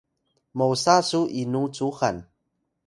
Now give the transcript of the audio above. Takun: mosa su inu cuxan?